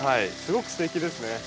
すごくすてきですね。